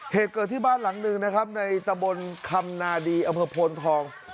เหตุเกิดที่บ้านหลังหนึ่งนะครับในตะบนคำนาดีอำเภอโพนทอง